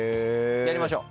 やりましょう。